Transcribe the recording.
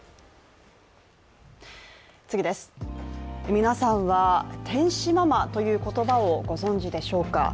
皆さんは、天使ママという言葉をご存じでしょうか。